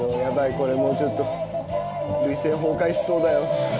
これもうちょっと涙腺崩壊しそうだよ。